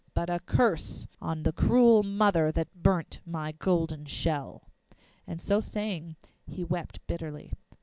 But a curse on the cruel mother That burnt my golden shell!' And so saying he wept bitterly.